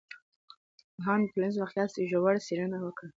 پوهانو د ټولنیز واقعیت ژوره څېړنه وکړه.